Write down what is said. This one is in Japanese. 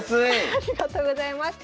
ありがとうございます。